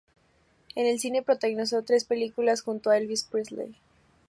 En el cine, protagonizó tres películas junto a Elvis Presley.